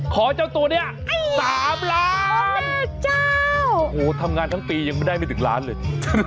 ขอเจ้าตัวเนี่ย๓ล้านโอ้โฮทำงานทั้งปียังไม่ได้ไปถึงล้านเลย